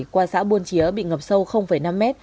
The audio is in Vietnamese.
qua xã buôn chía bị ngập sâu năm m